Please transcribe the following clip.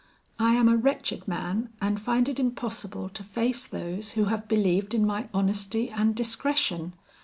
I am a wretched man and find it impossible to face those who have believed in my honesty and discretion.